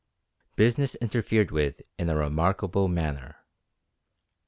BUSINESS INTERFERED WITH IN A REMARKABLE MANNER.